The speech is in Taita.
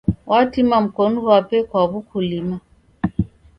Watima mkonu ghwape kwa w'ukulima.